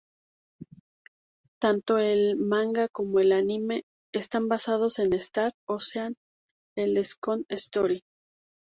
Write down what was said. Tanto el manga como el anime están basados en "Star Ocean:" "The Second Story".